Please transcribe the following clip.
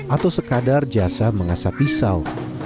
atau sekadar jasa mengasap pisau